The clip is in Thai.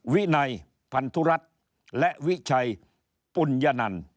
วินัยพันธุรัฐและวิชัยปุญญนัน